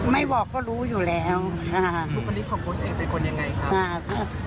ไม่บอกก็รู้อยู่แล้วครับถูกความรีบความกล้มใจเป็นคนอย่างไรครับ